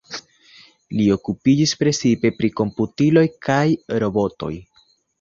Li okupiĝis precipe pri komputiloj kaj robotoj.